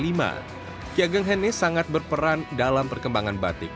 kiai ageng hanis sangat berperan dalam perkembangan batik